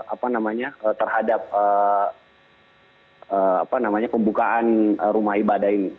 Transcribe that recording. apa namanya terhadap apa namanya pembukaan rumah ibadah ini